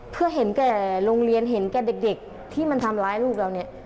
เพื่อเห็นแก่โรงเรียนเห็นแก่เด็กที่มันทำร้ายลูกเราเนี่ย